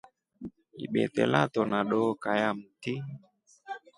Ibete latona dokaa ya mti.